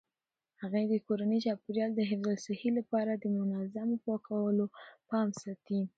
هغې د کورني چاپیریال د حفظ الصحې لپاره د منظمو پاکولو پام ساتي.